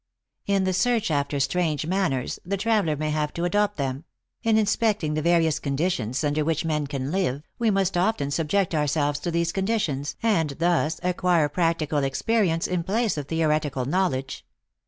In the search after strange manners, the traveler may have to adopt them ; in inspecting the various conditions under which men can live, we must often subject our selves to these conditions, and thus acquire practical experience in place of theoretical knowledge.